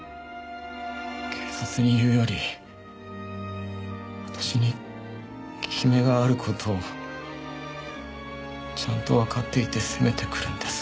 警察に言うより私に効き目がある事をちゃんとわかっていて攻めてくるんです。